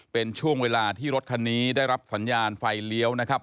เป็นช่วงเวลาที่รถคันนี้ได้รับสัญญาณไฟเลี้ยวนะครับ